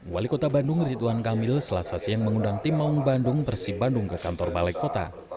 wali kota bandung ridwan kamil selasa siang mengundang tim maung bandung persib bandung ke kantor balai kota